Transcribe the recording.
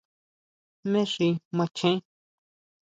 ¿Jmé xi macheén?